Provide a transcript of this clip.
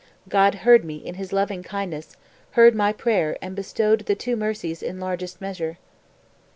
God heard me in His loving kindness, heard my prayer and bestowed the two mercies in largest measure."